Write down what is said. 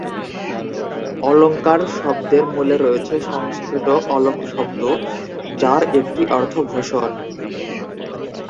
‘অলঙ্কার’ শব্দের মূলে রয়েছে সংস্কৃত ‘অলম্’ শব্দ, যার একটি অর্থ ‘ভূষণ’।